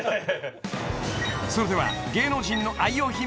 それでは芸能人の愛用品